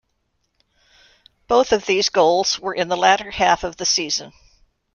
Both of these goals were in the latter half of the season.